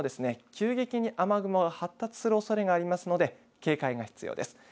急激に雨雲が発達するおそれがありますので警戒が必要です。